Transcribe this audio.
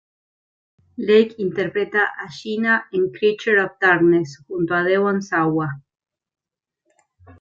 Lake interpreta a Gina en "Creature of Darkness", junto a Devon Sawa.